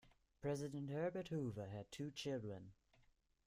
President Herbert Hoover had two children.